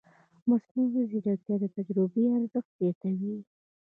مصنوعي ځیرکتیا د تجربې ارزښت زیاتوي.